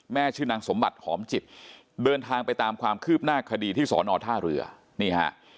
ชื่อนางสมบัติหอมจิตเดินทางไปตามความคืบหน้าคดีที่สอนอท่าเรือนี่ฮะ